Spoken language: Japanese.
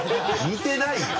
似てないよ。